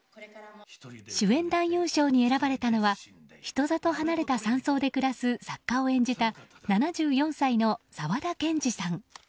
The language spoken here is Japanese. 主演男優賞に選ばれたのは人里離れた山荘で暮らす作家を演じた７４歳の沢田研二さん。